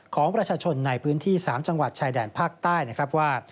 ของประชาชนในพื้นที่๓จังหวัดชายแดนภาคใต้นะครับว่า